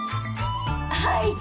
はい！